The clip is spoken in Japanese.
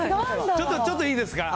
ちょっと、ちょっといいですか。